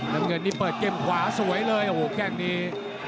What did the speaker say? น้ำเงินนี่เปิดเกมขวาสวยเลยโอ้โหแข้งนี้